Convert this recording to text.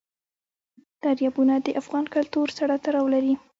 دریابونه د افغان کلتور سره تړاو لري.